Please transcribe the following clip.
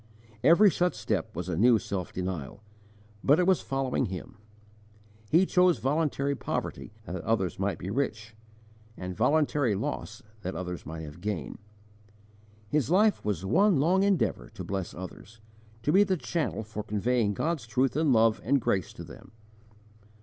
Every such step was a new self denial, but it was following Him. He chose voluntary poverty that others might be rich, and voluntary loss that others might have gain. His life was one long endeavour to bless others, to be the channel for conveying God's truth and love and grace to them.